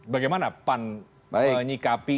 bagaimana pan menyikapi